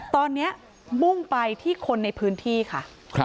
ตอนนี้มุ่งไปที่คนในพื้นที่ค่ะ